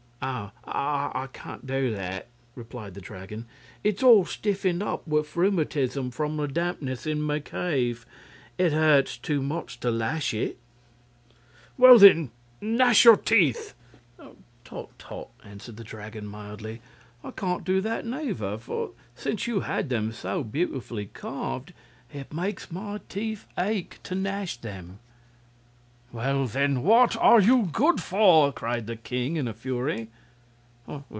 "Ah, I can't do that!" replied the Dragon. "It's all stiffened up with rheumatism from the dampness of my cave. It hurts too much to lash it." "Well, then, gnash your teeth!" commanded the king. "Tut tut!" answered the Dragon, mildly; "I can't do that, either; for since you had them so beautifully carved it makes my teeth ache to gnash them." "Well, then, what are you good for?" cried the king, in a fury.